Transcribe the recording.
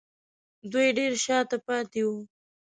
دوی ډېر شا ته پاتې وو